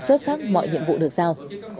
xuất sắc mọi nhiệm vụ được giao